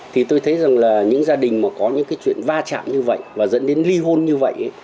thì tôi thấy rằng là những gia đình mà có những cái chuyện va chạm như vậy và dẫn đến ly hôn như vậy